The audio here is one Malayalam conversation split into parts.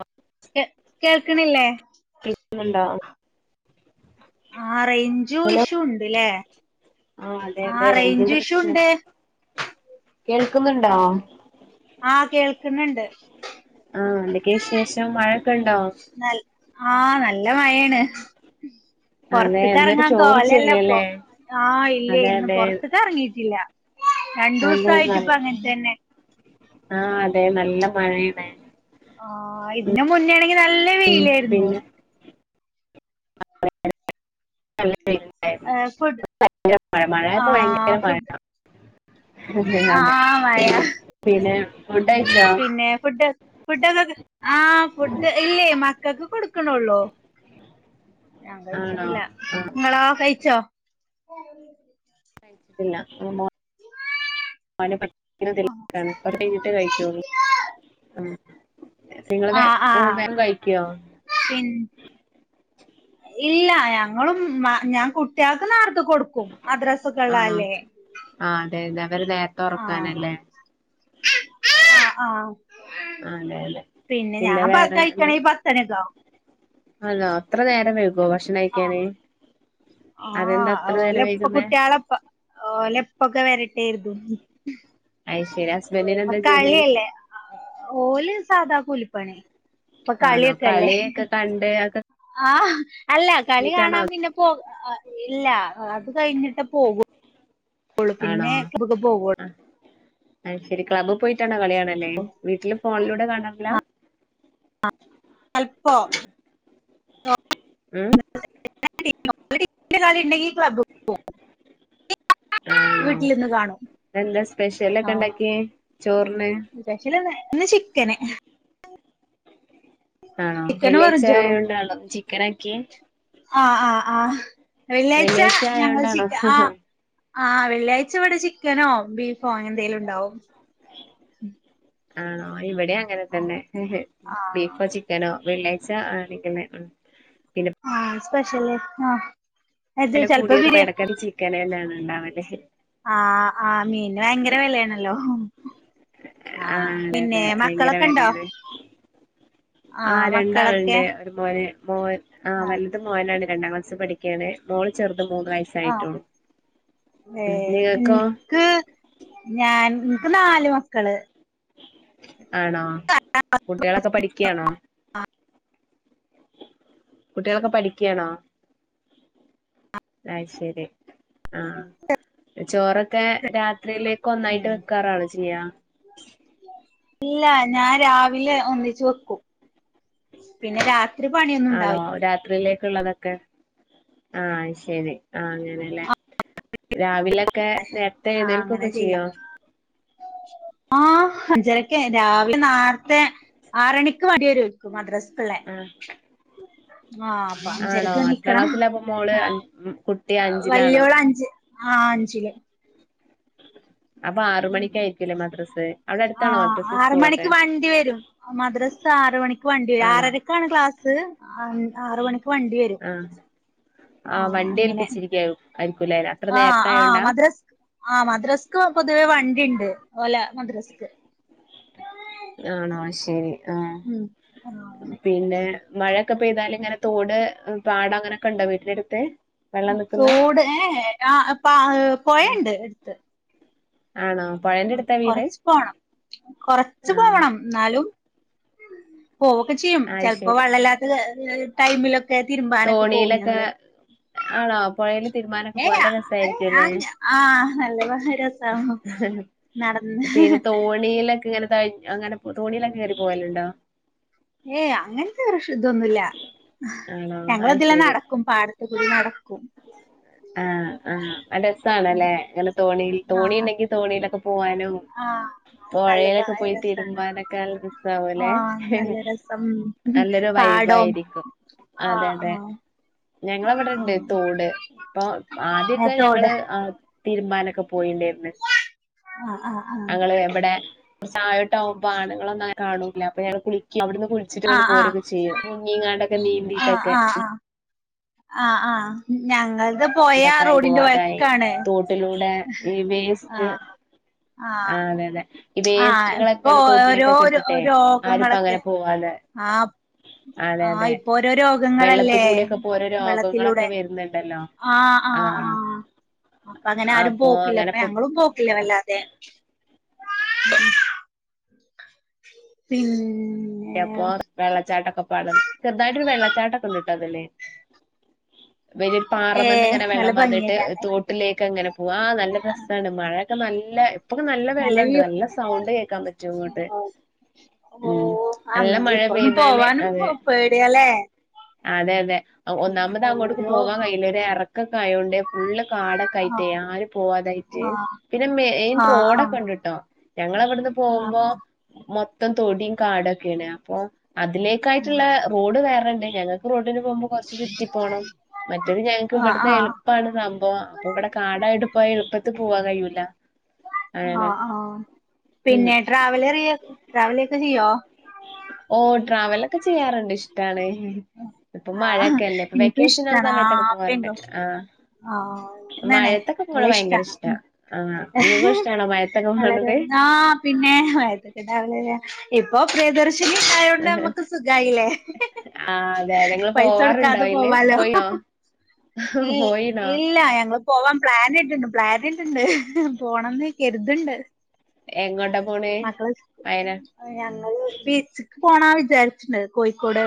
ആ കെ കേൾക്ക്ണില്ലേ. കേക്ക്ന്നുണ്ടോ? ആഹ് റെയ്ഞ്ചു ഇഷു ഇണ്ട്ലേ. ആഹ് അതെ അതെ ആഹ് റെയ്ഞ്ച് റേഞ്ചിന്റെ ഇഷ്യൂ പ്രശ്നം ഇണ്ട് കേൾക്കുന്നുണ്ടോ ആഹ് കേൾക്കിന്നിണ്ട്. ആഹ് എന്തെക്കെ വിശേഷം മഴൊക്കെണ്ടോ. നൽ ആഹ് നല്ല മയേണ് അതെ പൊറത്ത്ക്ക് ഇന്നൊരു എർങ്ങാൻ കോലല്ല പ്പോ ചോർച്ചയില്ലല്ലേ ആഹ് ഇല്ലേയ് അതെ ഇന്ന് അതെ പൊറത്ത്ക്കെറങ്ങീട്ടില്ല. അതെ നല്ല രണ്ടൂസായിട്ട് പ്പൊ അങ്ങൻത്തെന്നെ ആഹ്, അതെ നല്ല മഴേണ്. ആഹ് ഇതിന് മുന്നേണെങ്കി നല്ല വെയ് ഉം പിന്നെ [unintelligible] ഏഹ് ഫുഡ് ഭയങ്കര മഴ മഴായപ്പോ ആഹ് ഭയങ്കര മഴ ഫുഡ് അതെ ആഹ് മയ പിന്നെ ഫുഡ് കഴിച്ചോ പിന്നെ ഫുഡ്‌. ഫുഡൊക്കെ ആഹ് ഫുഡ് ഇല്ലേയ്, മക്കക്ക് കൊട്ക്കിണൊള്ളൂ. ഞാൻ ആണോ കയ്ച്ചിട്ടില്ല ആഹ് ഇങ്ങളോ കയ്ച്ചോ കയ്ച്ചിട്ടില്ല [unintelligible] മോനെ പഠിപ്പിക്ക്ണ തെർക്കാണ് അത് കയ്ഞ്ഞിട്ടെ കയ്ക്കൊള്ളൂ ആഹ് നിങ്ങള് വെ വേം കയ്ക്കോ പിൻ ഇല്ല. ഞങ്ങളും മ്മ ഞാൻ കുട്ട്യാക്ക് നാർത്ത കൊടുക്കും മദ്ര ആണോ ആഹ് അതെ ലവര് നേ ആഹ് ആഹ് ആഹ് ആഹ് അതെ അതെ പിന്നെ ഞാൻ പ കയ്ക്കണെങ് പത്തണിക്കാവും. അലോ അത്ര നേരം വെയ്കോ ആഹ് ഭഷ്ണയ്ക്കാന്. ആഹ് ഓലെപ്പ കുട്ട്യാളെപ്പ ഓലെപ്പൊക്കെ വരട്ടേര്തും അയ് ശരി ഹസ്ബൻഡിന് ന്നപ്പ എന്താ ജോലി കളിയല്ലേ, ഓല് സാധാ കൂലിപ്പണി. ഇപ്പൊ ആണോ കളിയൊക്കല്ലേ കളിയൊക്കെ കണ്ട് അതൊക്കെ ആഹ് അല്ല കളി കഴിഞ്ഞിട്ടാണോ കാണാൻ പിന്നെ പോ ആഹ്, ഇല്ല അത് കഴിഞ്ഞിട്ടെ പോകു ആണോ? പോകുള്ളൂ ആ അയ്ശേരി ക്ലബി പോയിട്ടാണൊ കളിയാൺ അല് വീട്ടില് ഫോൺലൂടെ കാണാർല അൽപോ ഉം [unintelligible] ആണോ വീട്ടിലിരുന്ന് കാണും എന്താ സ്പെഷ്യലൊക്കെ ഉണ്ടാക്കിയേ ചോറിന്. സ്പെഷ്യലിന്ന് ഇന്ന് ചിക്കന് ആണോ ചിക്കനും വെറും ചോറും വെള്ളിയാഴ്ച്ചായോണ്ടാണോ ചിക്കനാക്കിയെ ആഹ് ആഹ് ആഹ് വെള്ളിയാഴ്ച ഞങ്ങള് ചിക്ക ആഹ് ആഹ് വെള്ളിയാഴ്ച ഇവടെ ചിക്കനോ ബീഫോ അങ്ങനെന്തേലും ഇണ്ടാവും ആണോ ഇവടേ അങ്ങനെ തന്നെ ആഹ് ബീഫോ ചിക്കനോ വെള്ളിയാഴ്ച ആണെങ്കില് ആഹ് സ്പെഷ്യല് ആഹ് എത് ചെൽപ്പ ബിരിയാ ക്കലേലാണ് ഇണ്ടാവല് ആഹ് ആഹ് മീൻ ഭയങ്കര വെലേണല്ലോ ആഹ് അതെയതെ ഭയങ്കര മക്കളൊക്കെ ഉണ്ടോ വെലേണ് ആഹ് രണ്ടാള്ണ്ട് മോന് മോൻ ആഹ് വൽത് മോനാണ് രണ്ടാം ക്ലാസ്സി പഠിക്ക്യാണ് മോള് ചെറ്ത് മൂന്ന് വയസ് ആഹ് ഏഹ് നിങ്ങൾക്കോ ഇൻക്ക് ഞാൻ ഇൻക്ക് നാല് മക്കള് ആണോ കുട്ടികളൊക്കെ പഠിക്ക്യാണോ കുട്ടികളൊക്കെ പഠിക്ക്യാണോ അയ് ശരി ആഹ് ചോറൊക്കെ രാത്രിയിലേ ക്കൊന്നായിട്ട് ഉം വെക്കാറാണോ ചെയ്യാ ഇല്ല ഞാൻ രാവിലെ ഒന്നിച്ച് വെക്കും പിന്നെ രാത് ആണോ രാത്രിയിലേക്ക് ള്ളതൊക്കെ ആഹ് ശരി ആഹ് അങ്ങനെയല്ലേ രാവിലൊക്കെ നേരത്തെ ആഹ് അങ്ങനെ എഴുന്നേൽക്കുവൊക്കെ ചെയ്യാ ചെയ്യോ ആഹ് അഞ്ചരക്കേ രാവിലെ നാര്ത്തെ ആറണിക്ക് വണ്ടിയരും മദ്രസക്ക്ള്ളേ ആഹ് ആഹ് പാ ആണോ എത്രാം അഞ്ചരക്കെണീക്കണം ക്ലാസ്സിലാപ്പൊ മോള് അൻ ആഹ് ഉം കുട്ടി അഹ് അഞ്ചിലാണോ വല്ല്യോളഞ്ച് ആഹ് അഞ്ചില് അപ്പാ ആറ് മണിക്കായിരിക്കുല്ലേ മദ്രസേ ആഹ് ആറ് മണിക്ക് വണ്ടി വരും മദ്രസ ആറ് മണിക്ക് വണ്ടി വരും ആണോ ആറരക്ക് ക്കാണ് ക്ലാസ് അൻ ആറ് മണിക്ക് വണ്ടി വരും ആഹ് ആഹ് വണ്ടി ഏൽപ്പിച്ചിരിക്ക്യാവു ആയിരിക്കൂലേ അത്ര ആഹ് ആഹ് നേരത്തായോണ്ടാ മദ്രസ് ആഹ് മദ്രസ്ക്ക് പൊതുവേ വണ്ടി ഇണ്ട് ഓലാ മദ്രസ്ക്ക് ആണോ അയ് ശരി ആഹ് ഉം ആഹ് പിന്നേ മഴയൊക്കെ പെയ്താലിങ്ങനെ തോട് പാടം അങ്ങനെയൊക്കെ ണ്ടോ വീട്ടിനെടുത്ത് തോട് ഏഹ് കാ പാ ഏഹ് പൊയെണ്ട് ആണോ പുഴന്റെ അടുത്താ വീട് കൊറച്ച് പോണം കൊറച്ച് ആഹ് പോണം ന്നാലും പോവൊക്ക ചെയ്യും ആഹ് ചെൽപ്പോ ശരി വെള്ളല്ലാത്ത ഏഹ് ഏഹ് ടൈമിലൊ തോണിയിലൊക്കേ ആണോ പൊഴേല് തിരുമ്മാനൊക്കെ ഏ പോവാ നല്ല രസായിരിക്കൂല്ലേ ആഹ് നല്ല രസാണ് നടന്ന് പിന്നെ തോണിയിലെക്കിങ്ങനെ തൊഴഞ്ഞ് അങ്ങനെ തോണിയിലൊക്കെ കേറി പോവല്ണ്ടോ ഏയ് അങ്ങൻത്തെ റഷിതൊന്നുല്ല ആണോ അത് ഞങ്ങളതിലെ ശരി നടക്കും പാടത്ത് ത്ത് കൂടി നടക്കും ആഹ് ആഹ് അഹ് രസാണ് ല്ലേ അങ്ങനെ തോണീൽ തോണി ആഹ് ഇണ്ടെങ്കി തോണീലൊക്കെ പോവാനും ആഹ് നല്ല പൊഴേലെക്ക പോയി രസാണ് തിരുമ്പാനൊക്കെ നല്ല രസാവൂലേ ആഹ് നല്ല രസം നല്ലൊരു പാടോം വൈബായിരിക്കും അതെ ആഹ് അതെ ആഹ് ഞങ്ങളവിടെണ്ട് തോട് പ്പൊ ഏ ആദ്യൊക്കെ തോട് ഞങ്ങള് തീരുമ്പാനൊക്കെ പോയിണ്ടേര്ന്ന്. ആഹ് ആഹ്. ഞങ്ങള് ആഹ് ഇവ്ടെ ച്ചെതായോട്ടാവുമ്പോ ആണുങ്ങളൊന്നും കാണൂല അപ്പൊ ഞങ്ങള് കുളിക്കും അവിടെന്ന് കുളി ച്ചിട്ട് ഇങ്ങട്ട് ആഹ് ആഹ് പോരൊക്കെ ചെയ്യും മുങ്ങീങ്ങാണ്ടൊക്കെ ആഹ് നീന്തിട്ടൊക്കെ. ആഹ് ആഹ് ആഹ് ആഹ് ഞങ്ങൾത്. തൊക്കായി പോവാതായി തോട്ടിലൂടെ ഈ വേസ്റ്റ്. ആഹ് ആഹ് അതെ അതെ. ഈ ആഹ് വേസ്റ്റുകളൊക്കെ ഇപ്പൊ ഓരോ തോട്ടിലേക്കൊക്കെ ഇട്ടിട്ടെ ആരിപ്പോ അങ്ങനെ രോഗങ്ങളൊക്കെ പോവാതെ. ആഹ് അതെ ആഹ് അതെ ഇപ്പൊ ഓരോ രോഗങ്ങളല്ലേ വെള്ളത്തുകൂടിയൊക്കെ പ്പോരോ രോഗങ്ങളൊക്കെ വരുന്നുണ്ടല്ലോ. ആ ആ ആഹ് അപ്പൊ അങ്ങനെ ആരും അപ്പൊ പോക്കില്ല ഇപ്പ അങ്ങനെപ്പൊ ഞങ്ങളും പോക്കില്ല വല്ലാതെ. [inaudible] പിന്. ഏ പോ. വെള്ളച്ചാട്ടൊക്കെപാടെ ചെറുതായിട്ടൊര് വെള്ളച്ചാട്ടൊക്കെണ്ട്ട്ടോ അതില് വല്യൊര്. ഏ പാറമന്ന് ഇങ്ങനെ നല്ല വെള്ളം വന്നിട്ട് ഭംഗിയൊക്കാല്ലേ തോട്ടിലേക്കങ്ങനെ പോവ നല്ല രസാണ് മഴയൊക്കെ നല്ല. ഇപ്പൊക്കെ നല്ല വെള്ളണ്ട് നല്ല സൗണ്ട് കേക്കാൻ പറ്റും ഇങ്ങോട്ട് ഉം. നല്ല ആഹ് മഴ ഇപ്പൊന്നും പെയ്താല് പോവാനും പേ അതെ പേട്യാല്ലേ. അതെ അതെ എ ഒന്നാമത് അങ്ങോട്ടക്ക് ഓരോരോ പോവാൻ കഴയില്ല ഒര് എറക്കൊക്കെ ആയോണ്ട് ഫുള് കാടെ. ആഹ് ക്കായിട്ടേ ആരും പോവാതായിട്ട് പിന്നെ മെയിൻ ആഹ് റോഡൊക്കെ ആഹ് ഉണ്ട്ട്ടോ ഞങ്ങളെവിടുന്ന്. ആഹ് ആഹ് പോവുമ്പോ മൊത്തം തൊടീം കാടൊക്കേണ് അപ്പോ അതിലേക്കായിട്ടുള്ള. റോഡ് വേറണ്ട് ഞങ്ങക്ക് റോഡിന് പോവുമ്പോ കൊറച്ച്. ചുറ്റി പോണം മറ്റേത് ഞങ്ങക്ക് ആഹ് ഇവ്ട്ന്ന് ആഹ് എള് പ്പാണ് സംഭവം അപ്പൊ ഇവ്ടെ കാടായിട്ട് പോയ എളുപ്പത്തി പോവാൻ കഴിയുല. ആഹ് ആഹ് ഉം പിന്നെ ട്രാവലർ ട്രാവലൊക്കെ ചെയ്യോ? ഓഹ് ട്രാവലൊക്കെ ചെയ്യാറുണ്ട് ഇഷ്ടാണ്. ഇപ്പൊ ആഹ് മഴൊക്കെല്ലേ ഇപ്പൊ എനിക്കും വെക്കേഷൻ ആ ഇഷ്ടാണ് സമയത്തൊക്കെ പോവാറുണ്ട് പെങ്കും ആഹ്. ആ അങ്ങനേ മഴത്തൊക്കെ പോണെ നല്ല ഭയങ്കര ഇഷ്ടാണ് ഇഷ്ട്ട ആഹ് ഇങ്ങക്കു ഇഷ്ട്ടാണോ മഴ. ളരും ആ പിന്നെ മയത്തൊക്കെ ട്രാവലെയാ ഇപ്പൊ പ്രിയദർശ്. ശിനി ണ്ടായോണ്ട് അമ്മക്ക് സുഖായില്ലേ. ആഹ് അതെതെ ഇങ്ങള് പോവാറുണ്ടോ അയ്ല് പോയിനോ? ഏഹ് പോയിനോ ഇല്ല ഞങ്ങ പോവാൻ പ്ലാനിട്ട്ണ്ട് പ്ലാനട്ട്ണ്ട് പോണംന്ന് കെര്ത്ണ്ട്. എങ്ങോട്ട. മക്കള് ഞങ്ങൾ ബീച്ക്ക് പോണ വിചാരിച്ണ്ട് കോഴിക്കോട്.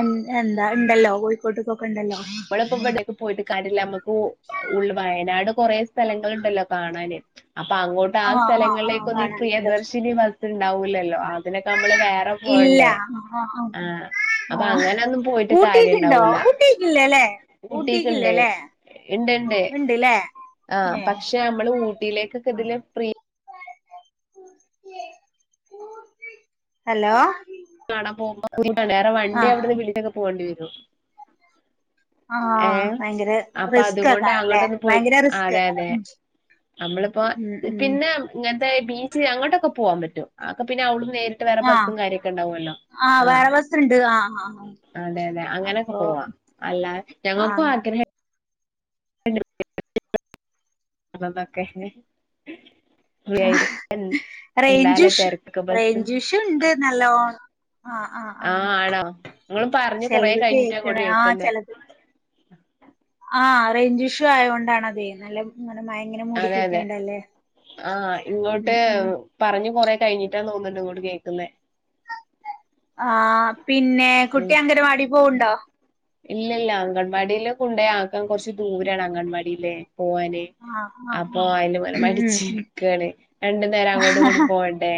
എൻ എന്താ ണ്ടല്ലോ കോഴിക്കോട്ടക്കൊക്കെ ഉണ്ടല്ലോ. നമ്മളിപ്പോ ഇവിടൊക്കെ പോയിട്ട് കാര്യില്ല നമുക്ക് ഉൾ വയനാട് കൊറേ സ്ഥലങ്ങള്ണ്ടല്ലോ കാണാന്. അപ്പൊ അങ്ങോട്ട്. താ ആ ആ ആ സ്ഥലങ്ങളിലേക്കൊന്നും ഈ കാണാനുണ്ട് പ്രിയദർശിനി ബസ് ഉണ്ടാവൂലല്ലോ അതിനൊക്കെ നമ്മള് വേറെ ഇല്ല പോണ്ടേ? ആ ആ ആഹ് അപ്പൊ ആഹ് അങ്ങനൊന്നും പോയിട്ട് ഊട്ടിക്കുണ്ടോ കാര്യണ്ടാവൂല ഊട്ടിക്കില്ലേല്ലേ. ഊട്ടിക്ക്ണ്ട് ഇണ്ട്ണ്ട് ഉണ്ട്ല്ലേ ആ ഏ പക്ഷെ അ. മ്മൾ ഊട്ടിലേക്കൊക്കെ ഇതില് ഫ്രീ. ഹലോ. കാണാൻ പോവുമ്പോ വേറെ ആ വണ്ടി അവിടുന്ന് വിളിച്ചാക്കെ പോവേണ്ടി വരും. ആ ഏഹ് ഭയങ്കര അപ്പൊ റിസ്ക് അതുകൊണ്ട് ആക്കാരല്ലേ അങ്ങോട്ടൊന്ന് പോയി ഭയങ്കര റിസ്ക് അതെ ആക്കാരം അതെ. നമ്മളിപ്പോ ഉം ഉം ഉം പിന്നെ ഇങ്ങൻത്തെ ബീച്ച് അങ്ങോട്ടൊക്കെ പോവാൻ പറ്റും അഒക്കെ പിന്നെ അവിടുന്ന് നേരി. ട്ട് വേറെ ആ ബസ്സും കാര്യൊക്കെണ്ടാവുല്ലോ. ആ ആഹ് വേറെ ബസ്ണ്ട് ആ ആ അതെ അതെ അങ്ങനൊക്കെ അപ്പൊ പോവാ അല്ലാതെ. ആ ഞങ്ങക്കു ആഗ്രഹ [unintelligible] ന്നൊക്കെ. ഫ്രീയായ്ട്ട് എ എന്താല്ലേ തെരക്ക് ബസ്. വഷുണ്ട് നല്ലോണം. ആഹ് ആഹ് ആഹ് ആണോ നിങ്ങള് പറഞ്ഞ് കൊറേ ചിലത് കഴിഞ്ഞിട്ടാ കേക്കണ അങ്ങോട്ട് ആഹ് കേൾക്കുന്നേ ചിലത് ആഹ് റേഞ്ച് ഇഷ്യൂ ആയൊണ്ടാണ് അത് നല്ല അങ്ങനെ മയങ്ങനെ അതെ അതെ മുടിക്കിട്ടിയണ്ടല്ലേ ഉം ഉം പറഞ്ഞ് കൊറേ കഴിഞ്ഞിട്ടാ തോന്നുന്നുണ്ട് ഇങ്ങോട്ട് കേൾക്കുന്നേ ആഹ് പിന്നെ കുട്ടി അംഗനവാടി പോവണ്ടോ? ഇല്ല ഇല്ല അംഗൻവാടിൽ കൊണ്ടക്കാൻ കൊറച്ച് ദൂരാണ് അംഗൻവാടില്ലേ പോവാന്. ആ ആ അപ്പൊ ആ അതിന് ഉം ഉം ഉം മടിച്ചിരിക്കയാണ് രണ്ട് നേരം അങ്ങോട്ടും ഇങ്ങോട്ടും പോവണ്ടേ.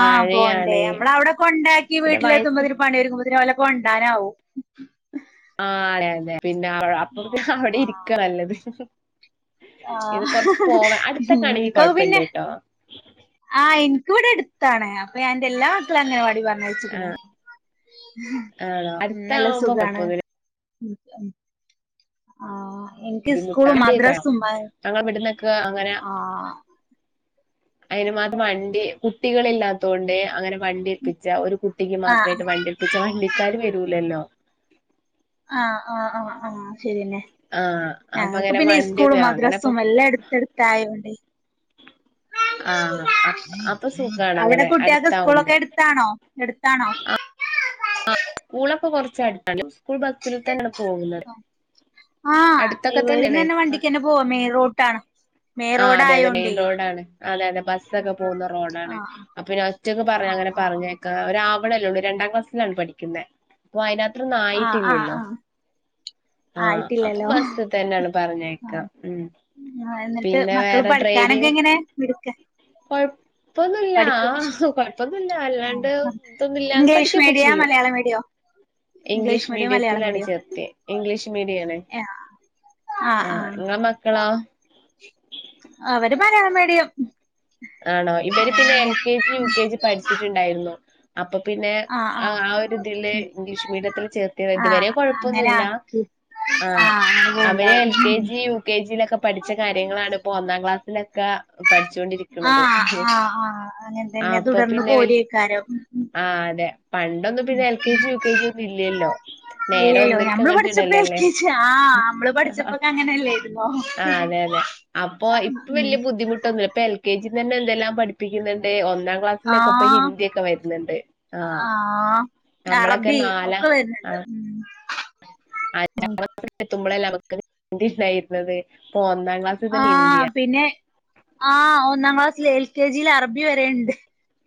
ആഹ് പോവണ്ടേ നമ്മള അവിടെ കൊണ്ടാക്കി പിന്നെ വീട്ടില വയസ് എത്തുമ്പോതിന് പണിരുങ്ങുമ്പോത്തിന് കൊണ്ടാനാവും. ആഹ് അതെ അതെ പിന്നെ അപ്പറത്തെ ആ അവിടെ ആ ഇരിക്ക നല്ലത് ആ ഇത് കൊറച്ച് പോവാ അടുത്തൊക്കാണെങ്കി കൊഴപ്പില്ലട്ടോ. ആഹ് എനിക്ക് ഇവിടെ എടുത്താണ് അപ്പൊ ഞാന്റെ എല്ലാ മക്കളെയും അഗംനവാടി പറഞ്ഞയച്ചക്കുണു. ആഹ് ആണോ ഉം നല്ല അടുത്താവുമ്പോ സുഖാണ് കൊഴപ്പൊന്നുല്ല ഉം ഉം ആഹ് എനിക്ക് ബുദ്ധിമുട്ടാ സ്കൂള് വണ്ടിയൊക്കെ മദ്രാസ വേണം ഉമായി ഞങ്ങളെ ഇവിടുന്നൊക്കെ അങ്ങനെ ആഹ് അതിന് മാത്രം വണ്ടി കുട്ടികള ഇല്ലാത്തോണ്ട് അങ്ങനെ വണ്ടി ഏൽപ്പിച്ച ഒരു കു കുട്ടിക്ക് ആഹ് മാത്രമായിട്ട് വണ്ടിൽപ്പിച്ച വണ്ടിക്കാര് വരൂലല്ലോ. ആഹ് ആഹ് ആഹ് ആഹ് ശരിന്നെ ആഹ് അപ്പൊ ഞങ്ങൾക്ക് അങ്ങനെ പിന്നെ വണ്ടി സ്കൂളും അങ്ങനെപ്പൊ മദ്രാസും എല്ലാം അടുത്ത് അടുത്തയോണ്ടേ ആഹ് അപ്പൊ സുഖാണ് അവിടെ അങ്ങനെ കുട്ടിയാക്കെ സ്കൂളൊക്കെ അടുത്താവുമ്പോ എ എടുത്താണോ എടുത്താണോ? സ്കൂളൊക്കെ കൊറച്ചായിടുത്താലും സ്കൂൾ ബസ്സിൽ തന്നെയാണ് പോകുന്നത്. ആഹ് അടുത്തൊക്കെ ഇവരും തന്നെയാണ് തന്നെ വണ്ടിക്ക് തന്നെ പോവാ മെയിൻ റോട്ടാണ്. മെയിൻ ആഹ് റോഡ് അതെ അതെ മെയിൻ ആയോണ്ടേ റോഡാണ് അതെ അതെ ബസ്സൊക്കെ പോകുന്ന റോഡാണ് ആഹ് അപ്പ ഞാൻ ഉറ്റക്കെ പറയെ ആഹ് അങ്ങന ആഹ് പറഞ്ഞേയക്കാൻ. അഹ് ആവണല്ലേള്ളൂ രണ്ടാം ക്ലാസ്സിലാണ് പഠിക്കുന്നത് അപ്പൊ അതിനകത്രൊന്നും ആഹ് ആഹ് ആയിട്ടില്ലല്ലോ. ആഹ് ആഹ് അപ്പൊ ആയിട്ടില്ലല്ലോ ബസ് തന്നെയാണ് പറഞ്ഞേക്ക ആഹ് ഉം എന്നിട്ട് പിന്നെ മക്കള് വേറെ ഡ്രൈവി പഠിക്കാനൊക്കെ എങ്ങനെ മിടുക്ക കൊഴ ഇപ്പൊന്നുംല്ല പഠിക്കൊക്കെ കുഴപ്പൊന്നുമില്ല അല്ലാണ്ട് ഇതൊന്നുംല്ലന്ന് പഠിക്കുകൊക്കെ ചെയ്യും. ലയാള മേടിയോ ഇംഗ്ലീഷ് മീഡിയത്തിലാണ് ചേർത്തിയെ ഇംഗ്ലീഷ് മീഡിയാണ്. ആഹ് ഇങ്ങളെ മക്കളോ അവര് മലയാളം മീഡിയം. ആണോ ഇവര് പിന്നെ L ah K G U K G പഠിച്ചിട്ടുണ്ടായിരുന്നു അപ്പൊ പിന്നെ ആഹ് ആഹ് ഒരുരിതില് ഉം ഇംഗ്ലീഷ് മീഡിയത്തിൽ ചേർത്തിയ ഇതുവരെ ആഹ് അങ്ങനെ കൊഴപ്പൊന്നുമില്ല ആക്കി ആഹ് അങ്ങനെ അവര് എൽ കെ പോവ്ണ്ടാവും G U K G K ജിയിലൊക്കെ പഠിച്ച കാര്യങ്ങളാണ് ഇപ്പോ ഒന്നാം ക്ലാസ്സിലൊക്കെ പഠിച്ചുണ്ടിരിക്ക ആഹ് ആഹ് ആഹ് അങ്ങനെ തന്നെ അപ്പൊ തുടർന്ന് പിന്നെ വൽ- പോരേക്കാരെം. ആഹ് അതെ പണ്ടൊന്നും പിന്നെ L K G U K G ഒന്നും ഇല്ലല്ലോ നേരെ ഇല്ലല്ലോ ഒന്നിലക്ക് ഞമ്മള് അങ്ങോട്ട് പഠിച്ചപ്പോ എൽ ഇടലല്ലേ. കെ ജി ആഹ് നമ്മള് ആഹ് പഠിച്ചപ്പോക്കെ അങ്ങനെയല്ലായിരുന്നോ അതെ അതെ അപ്പൊ ഇപ്പൊ ഉം വലിയ ബുദ്ധിമുട്ടൊന്നും ഇപ്പൊ എൽ കെ ജിന്ന്ന്നെന്തെല്ലാം പഠിപ്പിക്കുന്നുണ്ട് ഒന്നാം ക്ലാസിലെക്കെ ഇപ്പ ആഹ് ഹിന്ദി ഒക്കെ വരുന്നുണ്ട് ആഹ് നമ്മളൊക്കെ അറബി നാലാ ഒക്കെ വരുന്നുണ്ട് ആഹ് ഉം ആഹ് എത്തുമ്പോളല്ല ഹിന്ദി ഇണ്ടായിരുന്നത് ഇപോ ആഹ് പിന്നെ ആഹ് ഒന്നാം ക്ലാസിൽ എൽ കെ ജിയിൽ അറബി വരെയുണ്ട്.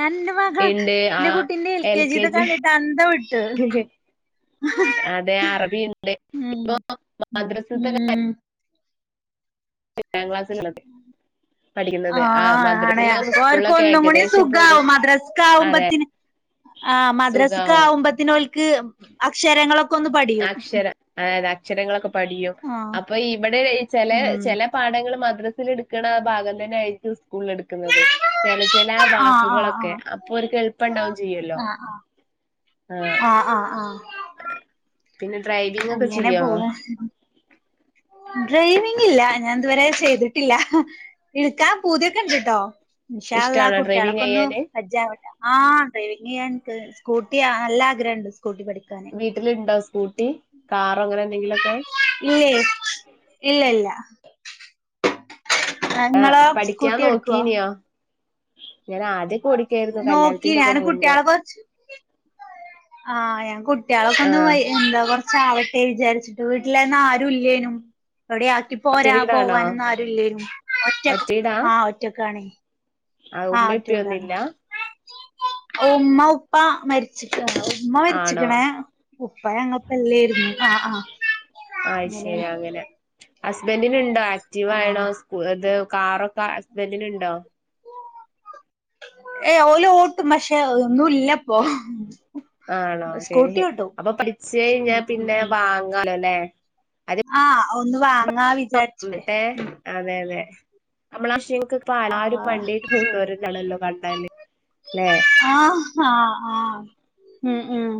നല്ലും മകളം എന്റെ കുട്ടിന്റെ എൽ കെ ജി കണ്ടിട്ട് അന്തംവിട്ട് അതെ അറബിയുണ്ട് ഉം ഇപ്പൊ മദ്രസത്തെ [unintelligible] ഉം ഏഴം ക്ലാസിലുള്ളത് ആഹ് ആ ആണ് മദ്രസിലും അപ്പൊ ഓർക് സ്കൂളിലൊക്കെ ഒന്നും കൂടി ഏകദേശം ഇപ്പൊ ഒരു സുഖാവും മദ്രസക്ക് അതെ ആവുമ്പത്തിന് ആ മദ്രാസക്ക് സുഖാവും ആവുമ്പത്തിന് ഓൽക്ക് അക്ഷരങ്ങളൊ അക്ഷരം അതായത് അക്ഷരങ്ങളൊക്കെ പഠിയും ആഹ് അപ്പൊ ഇവിടെള്ളയി ചെല ഉം ചെല പാഠങ്ങൾ മദ്രസേൽ ഇടുക്കണ ഭാഗം തന്നെ ആയിരിക്കും സ്കൂളില് എടുക്കുന്നത് ചെല ആഹ് ആഹ് വാക്കുകളൊക്കെ ആഹ് അപ്പൊ ഓർക്ക് എളുപ്പം ഇണ്ടാവും ചേയ്യല്ലോ ആഹ് ആഹ് ആഹ് ആഹ് ആഹ് പിന്നെ ഡ്രൈ അങ്ങനെ പോണ് ഡ്രൈവിംഗ് ഇല്ല ഞാൻ ഇതുവരെ ചെയ്തിട്ടില്ല ഇടുക്കാൻ പൂതിക്കെ ഇണ്ടട്ടോ ഇൻഷാ അള്ളാ ഇഷ്ടാണോ ഡ്രൈവിങ് കുട്ട്യാളൊക്കൊന്ന് ചെയ്യാന് പരിജാവട്ടെ ആഹ് ഡ്രൈവിംഗിയ്യാ എക്ക് സ്കൂട്ടി ആ നല്ല ആഗ്രഹം ഇണ്ട് സ്കൂട്ടി പഠിക്കാൻ വീട്ടിലുണ്ടാ സ്കൂട്ടി കാറോ ങ്ങനെ എന്തെങ്കിലൊക്കെ ഇല്ലേ ഇല്ല ഇല്ല ആഹ് ഇങ്ങളോ പഠിക്കാൻ സ്കൂട്ടി എടുക്കുവോ നോക്കീന്യോ ഞാൻ ആദ്യക്കെ ഓടി ക്കെയിരുന്നു നോക്കി കല്യാണത്തിന്റെ ഒക്കെ ഞാന് മുന്നേ കുട്ടികളെ കൊറച്ച് ആഹ് ഞാൻ കുട്ടികളൊക്കെ ഒന്ന് ആഹ് വൈ എന്താ കൊറ ചാവട്ടെ വിചാരിച്ചിട്ട് വീട്ടിലെന്ന ആരും ഇല്ലേനും എവിടെ ആ ക്കി ഒറ്റ പോരാ വീടാണോ പോവാനൊന്നും ആരുല്ലേനും ഒറ്റക്കു ഒറ്റ വീടാ ആഹ് ഒറ്റക്കാണെ ആഹ് ഉമ്മേം ഒറ്റ ഉപ്പേം വീടാണ് ഒന്നുല്ല ഉമ്മ ഉപ്പ മരി ച്ച്ക്കന് ഉമ്മ ആണോ മരിച്ചിക്കണ് ഉപ്പ ഞങ്ങപ്പം ഇല്ലായിരുന്നു ആഹ് ആഹ് അയ് അങ്ങനെ ശരി ആ ഹസ്ബൻഡിനുണ്ടോ ആക്റ്റീവ ആയണോ ആഹ് സ്കൂ ഇത് കാറൊക്കെ ഹസ്ബൻ്റിനുണ്ടോ ഏയ് ഓല് ഓട്ടും പക്ഷെ ഒന്നും ഇല്ലപ്പൊ ആണോ ശരി അപ്പൊ പഠിച്ചഴിഞ്ഞ ഉം ഉം പിന്നെ ഉം വാങ്ങാലോ ല്ലേ അത് ആഹ് ഒന്ന് വാങ്ങാ വിചാരിച്ചിട്ടേ എന്നിട്ടേ ഉം അതെ അതെ നമ്മളാക്ഷങ്ങക്ക് ല്ലാരും ആഹ് വണ്ടി ആയിട്ട് പൂവുന്നോരാണല്ലോ കണ്ട ണ്ടാല് ലേ ആഹ് ഹ ആഹ് ആഹ് ഉം ഉം